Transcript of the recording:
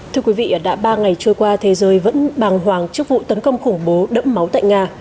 thưa quý vị đã ba ngày trôi qua thế giới vẫn bàng hoàng trước vụ tấn công khủng bố đẫm máu tại nga